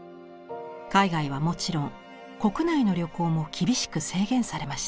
海外はもちろん国内の旅行も厳しく制限されました。